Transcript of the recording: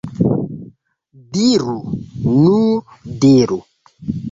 Diru, nur diru!